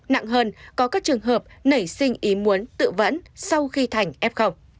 nặng hơn có các trường hợp nảy sinh ý muốn tự vẫn sau khi thành f